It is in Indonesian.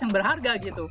yang berharga gitu